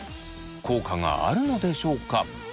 効果があるのでしょうか？